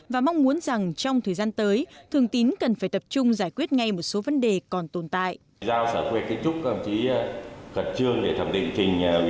và mong muốn rằng trong thời gian tới thường tín cần phải tập trung giải quyết ngay một số vấn đề còn tồn tại